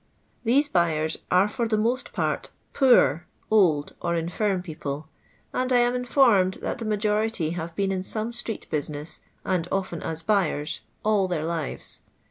TnESB buyers are for the most part poor, old, or infirm people, and I am informed that the majority have been in some street business, and often as buyers, all their lives.